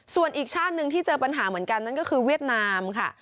ส่วนอีกชาติหนึ่งที่เจอปัญหาเหมือนกันนั่นก็คือเวียดนามค่ะ